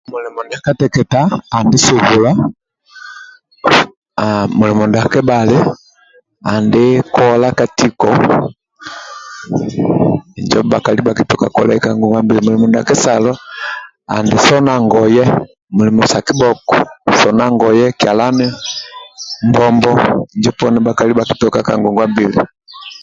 Mulimo ndia kateke andi subula mulimo ndia kebhali andi kola ka tiko injo bhakali bhakitoka mulimo ndia kesalo andi sona ngoye mulimo sa kibhoko sona ngoye kyalani mbombo injo poni bhakali bhakitoka ka ngongwa mbili